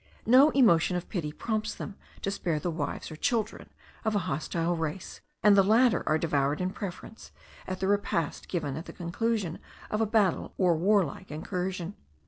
No emotion of pity prompts them to spare the wives or children of a hostile race; and the latter are devoured in preference, at the repast given at the conclusion of a battle or warlike incursion.